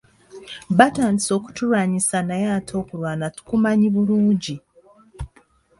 Batandise okutulwanyisa naye ate okulwana tukumanyi bulungi.